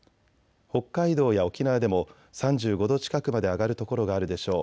北海道や沖縄でも３５度近くまで上がる所があるでしょう。